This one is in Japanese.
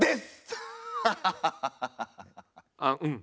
あっうん。